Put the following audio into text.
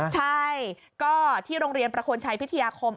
ใช่ก็ที่โรงเรียนประโคนชัยพิทยาคม